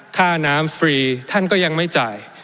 ค่าน้ำฟรีท่านก็ยังไม่จ่าย